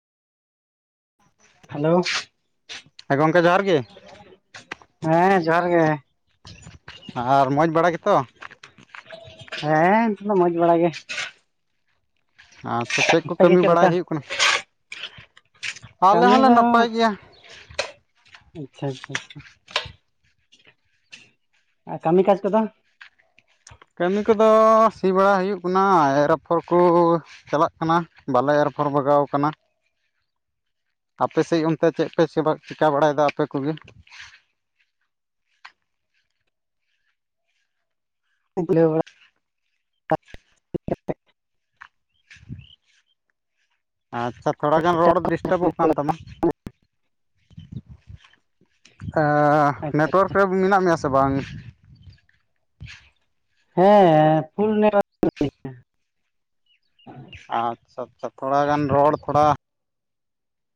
Hello ᱦᱮᱸ ᱜᱚᱢᱠᱮ ᱡᱚᱦᱟᱨ ᱜᱮ ᱦᱮᱸ ᱡᱚᱦᱟᱨ ᱜᱮ ᱟᱨ ᱢᱚᱡᱽ ᱵᱟᱲᱟ ᱜᱮᱛᱚ? ᱦᱮᱸ ᱱᱤᱛᱚᱜ ᱫᱚ ᱢᱚᱡᱽ ᱵᱟᱲᱟ ᱜᱮ ᱟᱪᱪᱷᱟ ᱪᱮᱜ ᱠᱚ ᱟᱯᱮ ᱜᱮ ᱠᱟᱹᱢᱤ ᱪᱮᱫ ᱵᱟᱲᱟᱭ ᱞᱮᱠᱟ ᱦᱩᱭᱩᱜ ᱠᱟᱱᱟ? ᱟᱞᱮ ᱠᱟᱹᱢᱤ ᱦᱚᱸᱞᱮ ᱫᱚ ᱱᱟᱯᱟᱭ ᱜᱮᱭᱟ ᱟᱪᱪᱷᱟ ᱟᱪᱪᱷᱟ ᱟᱨ ᱠᱟᱹᱢᱤ ᱠᱟᱡᱽ ᱠᱚᱫᱚ ᱠᱟᱹᱢᱤ ᱠᱚᱫᱚ ᱥᱤ ᱵᱟᱲᱟ ᱦᱩᱭᱩᱜ ᱠᱟᱱᱟ ᱮᱨ ᱟᱯᱷᱚᱨ ᱠᱚ ᱪᱟᱞᱟᱜ ᱠᱟᱱᱟ ᱵᱟᱞᱮ ᱮᱨᱯᱷᱚᱨ ᱵᱟᱜᱟᱣ ᱠᱟᱱᱟ ᱟᱯᱮ ᱥᱮᱡ ᱚᱱᱛᱮ ᱪᱮᱜ ᱯᱮ ᱥᱮᱵᱟᱜ ᱪᱤᱠᱟᱹ ᱵᱟᱲᱟᱭᱮᱫᱟ ᱟᱯᱮ ᱠᱚᱜᱮ? ᱵᱷᱳᱞᱮ ᱵᱟᱵᱟ [inaudible] ᱟᱪᱪᱷᱟ ᱛᱷᱚᱲᱟ ᱜᱟᱱ ᱨᱚᱲ ᱰᱤᱥᱴᱟᱵᱚᱜ ᱠᱟᱱ ᱛᱟᱢᱟ ᱟᱻ ᱟᱪᱪᱷᱟ ᱱᱮᱴᱚᱣᱟᱨᱠ ᱟᱪᱪᱷᱟ ᱨᱮ ᱢᱮᱱᱟᱜ ᱢᱮᱭᱟ ᱥᱮ ᱵᱟᱝ? ᱦᱮᱸ ᱯᱷᱩᱞ ᱱᱮᱴᱳᱣᱟᱨᱠ ᱟᱪᱪᱷᱟ ᱟᱪᱪᱷᱟ ᱛᱷᱚᱲᱟ ᱜᱟᱱ ᱨᱚᱲ ᱛᱷᱚᱲᱟ